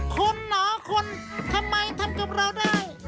คนเหรอคนทำไมทำกับเราได้